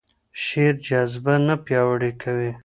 شعر جذبه نه پیاوړې کوي.